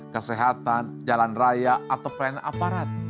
kehidupan jalan raya atau pelayanan aparat